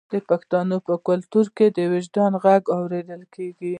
د پښتنو په کلتور کې د وجدان غږ اوریدل کیږي.